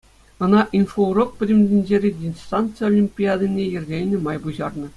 Ӑна «Инфоурок» пӗтӗм тӗнчери дистанци олимпиадине йӗркеленӗ май пуҫарнӑ.